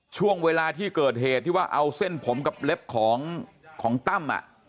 ช่วงเวลาที่เกิดเหตุที่ว่าเอาเส้นผมกับเล็บของตั้ม